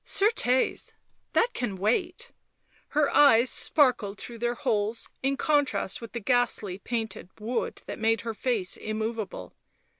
" Certes, that can wait ;" her eyes sparkled through their holes in contrast with the ghastly nainted wood that made her face immovable.